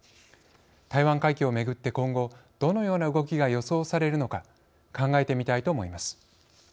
台湾海峡をめぐって今後どのような動きが予想されるのか考えてみたいと思います。